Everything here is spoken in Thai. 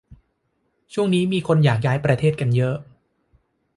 ช่วงนี้มีคนอยากย้ายประเทศกันเยอะ